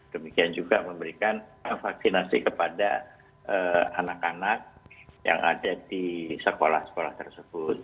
demikian juga memberikan vaksinasi kepada anak anak yang ada di sekolah sekolah tersebut